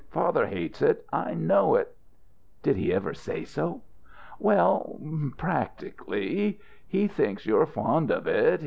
Father hates it; I know it." "Did he ever say so?" "Well, practically. He thinks you're fond of it.